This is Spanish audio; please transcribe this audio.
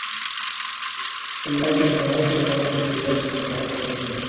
En menor medida, hay que sumar otras actividades como el trabajo de la piedra.